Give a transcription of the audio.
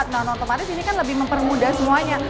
nah nonton nontonan ini kan lebih mempermudah semuanya